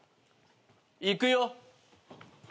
いくよ。